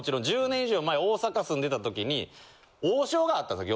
１０年以上前大阪住んでた時に王将があったんです。